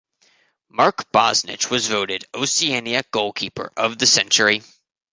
Mark Bosnich was voted Oceania Goalkeeper of the Century.